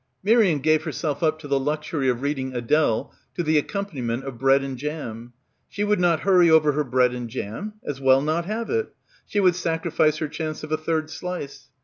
Miriam gave herself up to the luxury of reading Adele to the accompaniment of bread and jam. She would not hurry over her bread and jam. As well not have it. She would sacrifice her chance of a third slice.